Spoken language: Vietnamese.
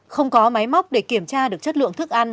không có máy móc để kiểm tra được chất lượng thức ăn